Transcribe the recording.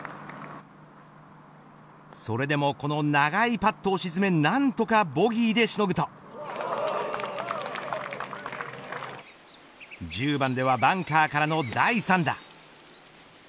それでもこの長いパットを沈め何とかボギーでしのぐと１０番ではバンカーからの第３打。